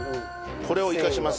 これを生かします。